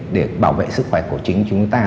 để bảo vệ sức khỏe của chính chúng ta